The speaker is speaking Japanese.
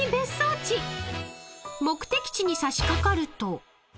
［目的地にさしかかると］